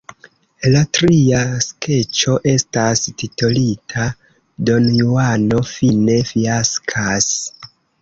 La tria skeĉo estas titolita Donjuano fine fiaskas.